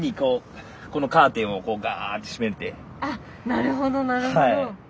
なるほどなるほど。